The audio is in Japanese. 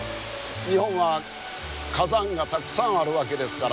日本は火山がたくさんあるわけですからね。